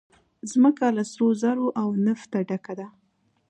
مځکه له سرو زرو او نفته ډکه ده.